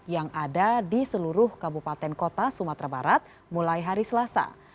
yang ada di seluruh kabupaten kota sumatera barat mulai hari selasa